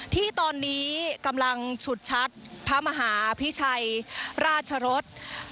ที่ตอนนี้กำลังฉุดชัดพระมหาพิชัยราชรส